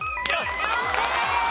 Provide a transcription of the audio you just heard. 正解です。